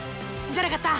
じゃなかった。